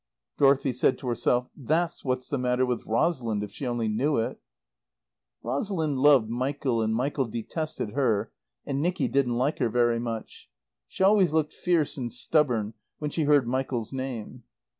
Dorothy said to herself, "That's what's the matter with Rosalind, if she only knew it." Rosalind loved Michael and Michael detested her, and Nicky didn't like her very much. She always looked fierce and stubborn when she heard Michael's name.